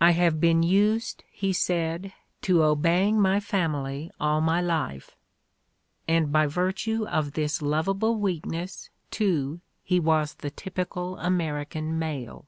"I have been used," he said, "to obeying my family all my lo6 The Ordeal of Mark Twain life." And by virtue of this lovable weakness, too, he was the typical American male.